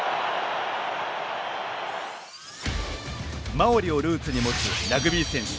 マオリをルーツに持つラグビー選手